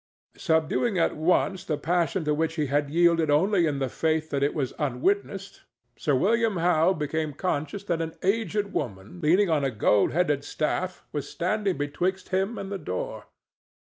Subduing at once the passion to which he had yielded only in the faith that it was unwitnessed, Sir William Howe became conscious that an aged woman leaning on a gold headed staff was standing betwixt him and the door.